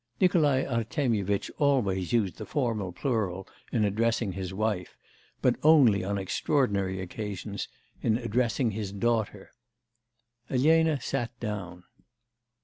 Nikolai Artemyevitch always used the formal plural in addressing his wife, but only on extraordinary occasions in addressing his daughter. Elena sat down.